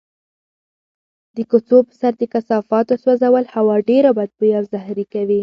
د کوڅو په سر د کثافاتو سوځول هوا ډېره بدبویه او زهري کوي.